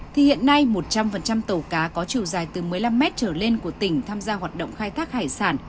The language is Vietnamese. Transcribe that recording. thì hiện nay một trăm linh tàu cá có chiều dài từ một mươi năm mét trở lên của tỉnh tham gia hoạt động khai thác hải sản